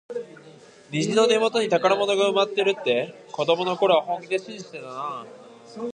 虹の根元には宝物が埋まっているって、子どもの頃は本気で信じてたなあ。